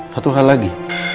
satu hal lagi